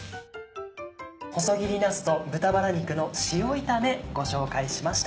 「細切りなすと豚バラ肉の塩炒め」ご紹介しました。